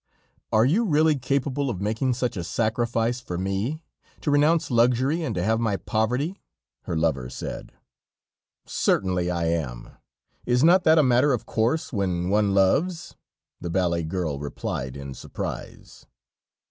"Are you really capable of making such a sacrifice for me, to renounce luxury and to have my poverty?" her lover said. "Certainly I am! Is not that a matter of course when one loves?" the ballet girl replied in surprise.